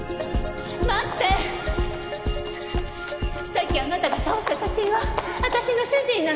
さっきあなたが倒した写真は私の主人なの。